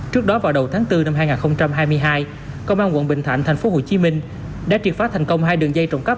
trước đó vào đầu tháng bốn năm hai nghìn hai mươi hai công an quận bình thạnh thành phố hồ chí minh đã triệt phát thành công hai đường dây trồng cắp